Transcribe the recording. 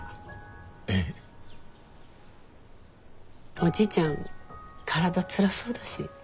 おじいちゃん体つらそうだし。